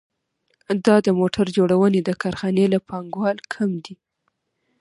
دا د موټر جوړونې د کارخانې له پانګوال کم دی